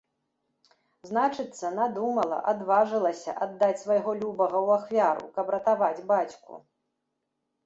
Значыцца, надумала, адважылася аддаць свайго любага ў ахвяру, каб ратаваць бацьку.